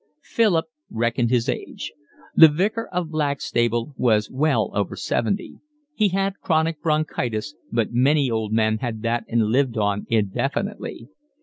Philip reckoned his age. The Vicar of Blackstable was well over seventy. He had chronic bronchitis, but many old men had that and lived on indefinitely.